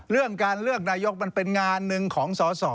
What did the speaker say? เรื่องการเลือกนายกมันเป็นงานหนึ่งของสอสอ